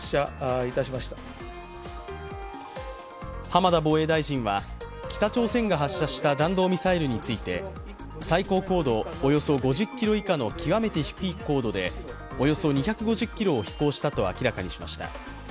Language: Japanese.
浜田防衛大臣は北朝鮮が発射した弾道ミサイルについて最高高度およそ５０ｋｍ以下の極めて低い高度でおよそ２５０ｋｍを飛行したと明らかにしました。